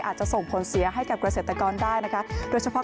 อาจจะส่งผลเสียให้กับเกษตรกรได้นะคะโดยเฉพาะ